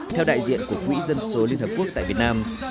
theo đại diện của quỹ dân số liên hợp quốc tại việt nam